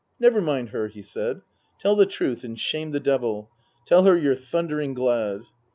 " Never mind her," he said. " Tell the truth and shame the devil. Tell her you're thundering glad."